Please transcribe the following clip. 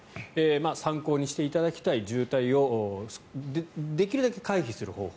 参考にしていただきたい渋滞をできるだけ回避する方法。